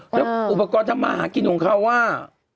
แล้วอุปกรณ์ทำมาหากินของเขาว่า